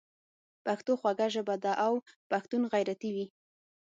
پښتو خوږه ژبه ده او پښتون غیرتي وي.